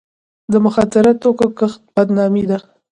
د مخدره توکو کښت بدنامي ده.